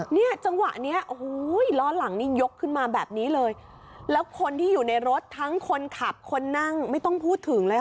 เนี่ยจังหวะเนี้ยโอ้โหล้อหลังนี่ยกขึ้นมาแบบนี้เลยแล้วคนที่อยู่ในรถทั้งคนขับคนนั่งไม่ต้องพูดถึงเลยค่ะ